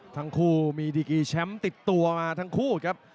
ทั้งคู่มีดีกีแชมป์ติดตัวมาทั้งคู่ครับ